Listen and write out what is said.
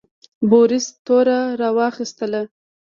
بوریس توره راواخیستله.